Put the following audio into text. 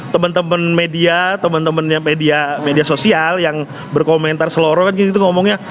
teman teman media teman teman media sosial yang berkomentar seluruhnya gitu ngomongnya